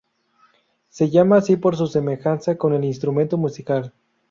Se llamaba así por su semejanza con el instrumento musical.